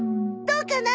どうかな？